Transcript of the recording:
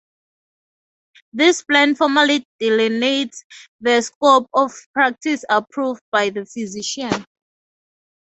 This plan formally delineates the scope of practice approved by the physician.